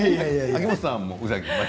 秋元さんは？